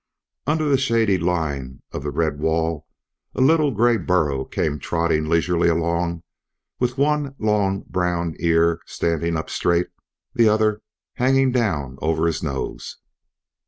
Under the shady line of the red wall a little gray burro came trotting leisurely along with one long brown ear standing straight up, the other hanging down over his nose.